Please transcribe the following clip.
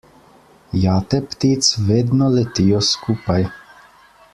Jate ptic vedno letijo skupaj.